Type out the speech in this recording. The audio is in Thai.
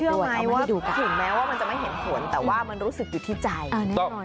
เชื่อไหมว่ามันจะไม่เห็นคนแต่ว่ามันรู้สึกอยู่ที่ใจ